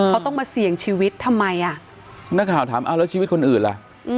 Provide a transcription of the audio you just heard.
เขาต้องมาเสี่ยงชีวิตทำไมอ่ะนักข่าวถามเอาแล้วชีวิตคนอื่นล่ะ